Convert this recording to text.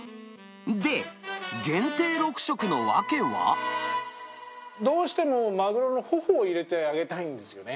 で、限定６食の訳どうしても、マグロのホホを入れてあげたいんですよね。